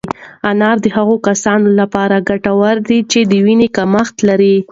انار د هغو کسانو لپاره ګټور دی چې د وینې کمښت لري.